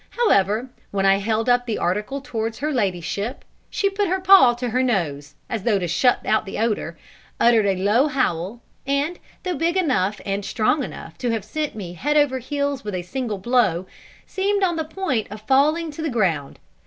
However, when I held up the article towards her ladyship, she put her paw to her nose as though to shut out the odour uttered a low howl, and, though big enough and strong enough to have sent me head over heels with a single blow, seemed on the point of falling to the ground.